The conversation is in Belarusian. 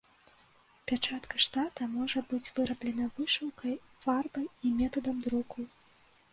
Пячатка штата можа быць выраблена вышыўкай, фарбай і метадам друку.